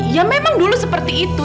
ya memang dulu seperti itu